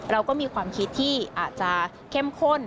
เราก็มีความคิดที่อาจจะเข้มข้น